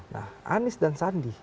nah anies dan sandi